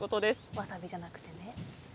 わさびじゃなくてね。